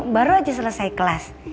baru aja selesai kelas